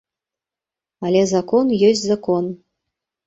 Але закон ёсць закон.